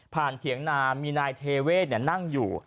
เถียงนามีนายเทเวศนั่งอยู่